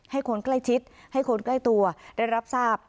ให้คนใกล้ชิดให้คนใกล้ตัวได้รับทราบ